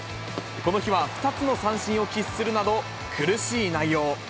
この日は２つの三振を喫するなど、苦しい内容。